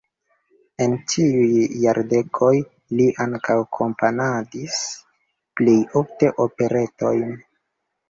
En tiuj jardekoj li ankaŭ komponadis, plej ofte operetojn.